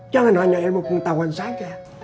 jangan hanya ilmu pengetahuan saja